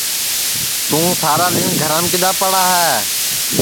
توں سارا دؔن گھرام کِدؔا پڑا ہے